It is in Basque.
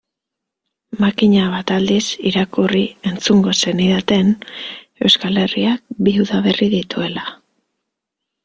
Makina bat aldiz irakurri-entzungo zenidaten Euskal Herriak bi udaberri dituela.